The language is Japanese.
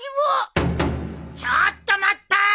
・ちょっと待った！